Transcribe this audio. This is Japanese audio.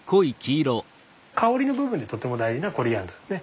香りの部分でとても大事なコリアンダーですね。